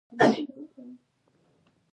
قرینه پر دوه ډوله ده.